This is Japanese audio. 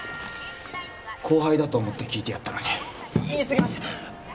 後輩だと思って聞いてやったのに言いすぎました